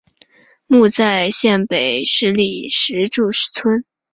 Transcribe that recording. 墓在县北十里石柱村。